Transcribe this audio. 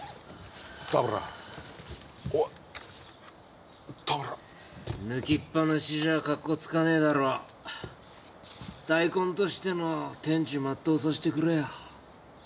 タムラおいタムラ抜きっぱなしじゃかっこつかねえだろ大根としての天寿全うさせてくれよ